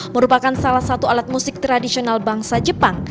merupakan salah satu alat musik tradisional bangsa jepang